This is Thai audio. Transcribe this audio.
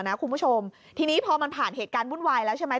คุณผู้ชมทีนี้พอมันผ่านเหตุการณ์วุ่นวายแล้วใช่ไหม